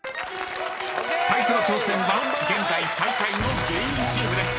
［最初の挑戦は現在最下位の芸人チームです］